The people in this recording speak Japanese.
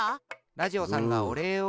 ラジオさんがおれいを。